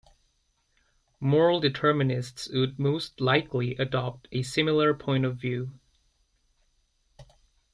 Moral determinists would most likely adopt a similar point of view.